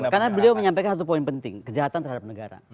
karena beliau menyampaikan satu poin penting kejahatan terhadap negara